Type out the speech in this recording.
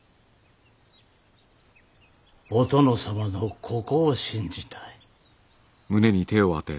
お殿様のここを信じたい。